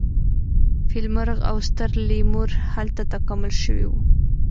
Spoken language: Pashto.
فیل مرغ او ستر لیمور هلته تکامل شوي وو.